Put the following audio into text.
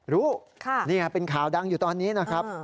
รู้นี่เป็นข่าวดังอยู่ตอนนี้นะครับ